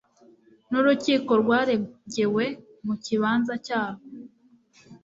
n urukiko rwaregewe mu kibanza cyarwo